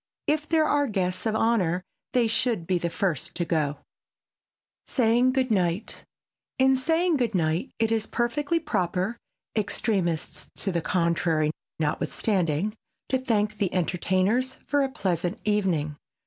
If there are guests of honor they should be the first to go. [Sidenote: SAYING GOOD NIGHT] In saying good night it is perfectly proper, extremists to the contrary notwithstanding, to thank the entertainers for a pleasant evening.